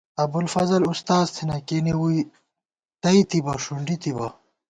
ابُوالفضل اُستاذ تھنہ کېنے ووئی تئیتِبہ ݭُنڈی تِبہ